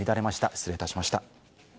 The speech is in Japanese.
失礼いたしました。